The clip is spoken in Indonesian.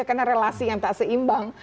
karena relasi yang tak seimbang